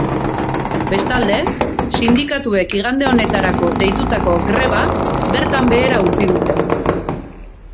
Bestalde, sindikatuek igande honetarako deitutako greba bertan behera utzi dute.